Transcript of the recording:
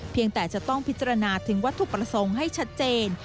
แต่จะต้องพิจารณาถึงวัตถุประสงค์ให้ชัดเจน